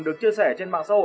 được chia sẻ trên mạng xã hội